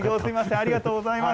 ありがとうございます。